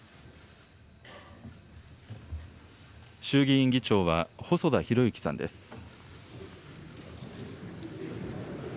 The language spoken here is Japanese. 衆議院議長は細田博之さんです。